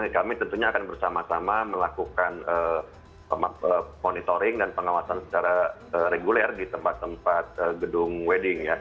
kami tentunya akan bersama sama melakukan monitoring dan pengawasan secara reguler di tempat tempat gedung wedding ya